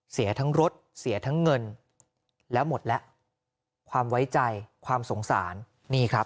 เสียทั้งรถเสียทั้งเงินแล้วหมดแล้วความไว้ใจความสงสารนี่ครับ